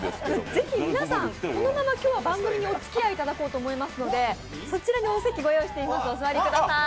ぜひ皆さん、このまま今日、番組におつきあいいただきたいと思いますので、そちらにお席ご用意しておりますので、お座りください。